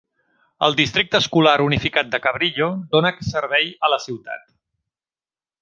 El districte escolar unificat de Cabrillo dóna servei a la ciutat.